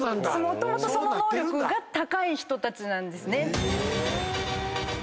もともとその能力が高い人たちなんですね。